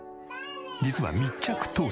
実は密着当初。